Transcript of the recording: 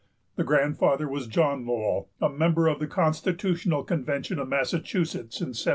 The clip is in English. The grandfather was John Lowell, a member of the Constitutional Convention of Massachusetts in 1780.